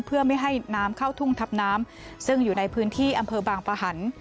เพื่อไม่ให้น้ำเข้าทุ่งทับน้ำซึ่งอยู่ในพื้นที่อำเภอบางปะหัน